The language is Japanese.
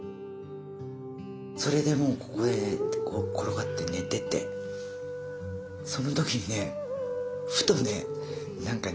それでもうここへ転がって寝ててその時にねふとね匂ったの。